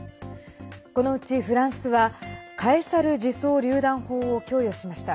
このうち、フランスは「カエサル自走りゅう弾砲」を供与しました。